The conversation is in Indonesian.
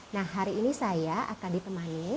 nah hari ini saya akan ditemani